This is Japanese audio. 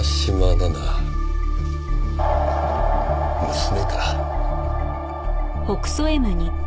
娘か。